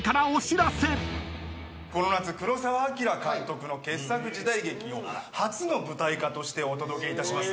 この夏黒澤明監督の傑作時代劇を初の舞台化としてお届けいたします。